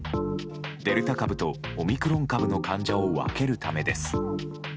デルタ株とオミクロン株の患者を分けるためです。